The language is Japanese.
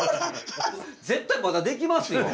絶対まだできますよ。